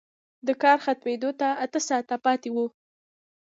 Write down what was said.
د کار ختمېدو ته اته ساعته پاتې وو